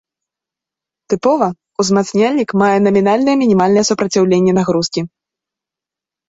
Тыпова, узмацняльнік мае намінальнае мінімальнае супраціўленне нагрузкі.